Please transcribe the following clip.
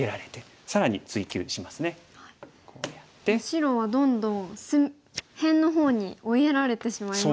白はどんどん辺の方に追いやられてしまいましたね。